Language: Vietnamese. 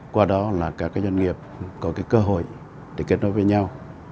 qua đó là các doanh nghiệp có cơ hội để kết nối với nhau